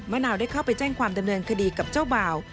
นาวได้เข้าไปแจ้งความดำเนินคดีกับเจ้าบ่าว